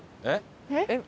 えっ？